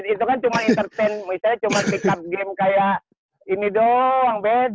itu kan cuma entertain misalnya cuma pick up game kayak ini doong beda lah